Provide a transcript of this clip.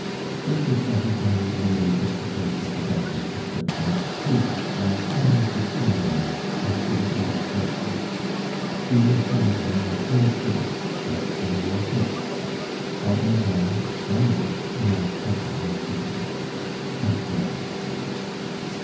"If this letter can in any way take the place of the doctor's prescription, prove it by coming to see me after the Bourse closes. You will find me in full fig, dressed in your gifts, for I am for life your pleasure machine, "ESTHER."